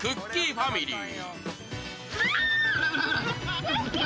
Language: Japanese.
ファミリー。